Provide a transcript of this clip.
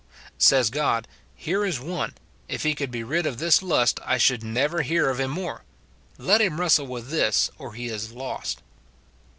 Says God, " Here is one — if he could be rid of this lust I should never hear of him more ; let him wrestle with this, or he is lost."